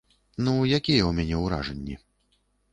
Ну якія ў мяне ўражанні.